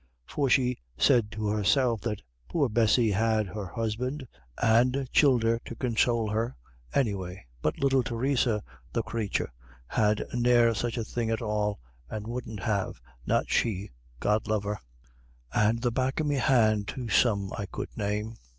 For she said to herself that poor Bessy had her husband and childer to consowl her, any way, but little Theresa, the crathur, had ne'er such a thing at all, and wouldn't have, not she, God love her. "And the back of me hand to some I could name."